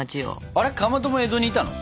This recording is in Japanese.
あれかまども江戸にいたの？